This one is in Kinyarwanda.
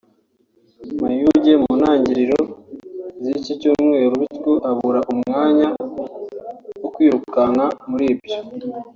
Mayuge mu ntangiriro z’iki cyumweru bityo abura umwanya wo kwirukanka muri ibyo